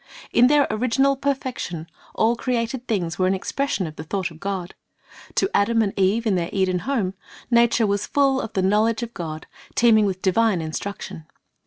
In their original perfection, all created things were an expression of the thought of God. To Adam and Eve in their Eden home, nature was full of the knowledge of God, teeming with divine instruction.